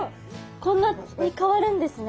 こんなに変わるんですね。